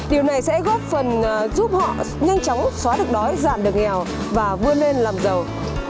điều này sẽ góp phần giúp họ nhanh chóng xóa được đói giảm được nghèo và vươn lên làm giàu